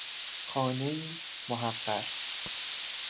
خانهای محقر